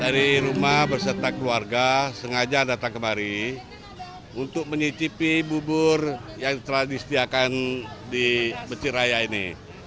dari rumah berserta keluarga sengaja datang kemari untuk mencicipi bubur yang telah disediakan di besi raya ini